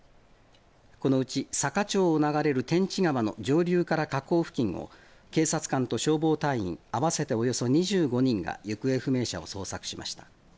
このうち坂町を流れる天地川の上流から河口付近を警察官と消防隊員合わせておよそ２５人が行方不明者を捜索しました。